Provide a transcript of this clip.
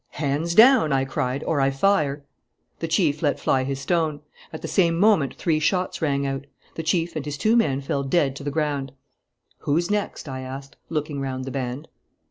"'Hands down!' I cried, 'or I fire!' The chief let fly his stone. At the same moment three shots rang out. The chief and his two men fell dead to the ground. 'Who's next?' I asked, looking round the band.